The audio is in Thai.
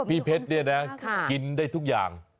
พี่เพชรเนี่ยนะกินได้ทุกอย่าง